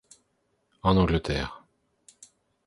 En Angleterre.